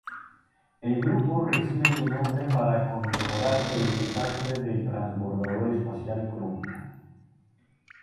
El grupo recibe su nombre para conmemorar el desastre del transbordador espacial Columbia.